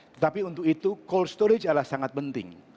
tetapi untuk itu cold storage adalah sangat penting